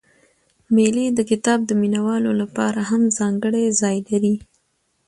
مېلې د کتاب د مینه والو له پاره هم ځانګړى ځای لري.